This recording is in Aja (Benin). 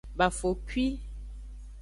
Bafokwi.